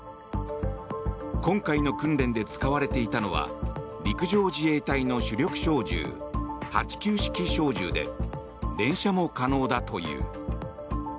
今回の訓練で使われていたのは陸上自衛隊の主力小銃８９式小銃で連射も可能だという。